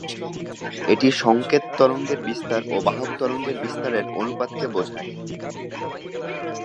এটি সংকেত তরঙ্গের বিস্তার ও বাহক তরঙ্গের বিস্তারের অনুপাতকে বোঝায়।